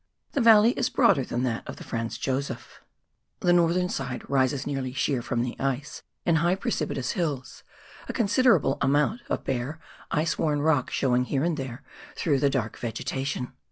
The valley is broader than that of the Franz Josef ; the 100 PIONEER WORK IN THE ALPS OF NEW ZEALAND. northern side rises nearly sheer from the ice in high precipitous hills, a considerable amount of bare ice worn rock showing here and there through the dark vegetation.